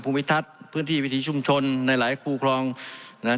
ภูมิทัศน์พื้นที่วิถีชุมชนในหลายคู่ครองนะฮะ